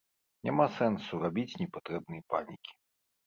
Няма сэнсу рабіць непатрэбнай панікі.